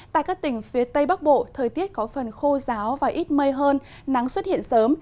tại các tỉnh phía tây bắc bộ thời tiết có phần khô giáo và ít mây hơn nắng xuất hiện sớm